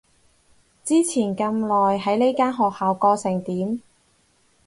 之前咁耐喺呢間學校過成點？